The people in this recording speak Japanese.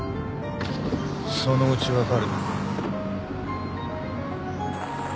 そのうち分かる。